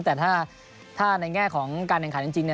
แต่ถ้าในแง่ของการแข่งขันจริง